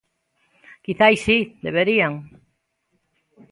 Quizais si, deberían.